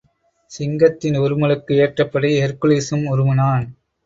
சிங்கத்தின் உறுமலுக்கு ஏற்றபடி ஹெர்குலிஸும் உறுமுனான்.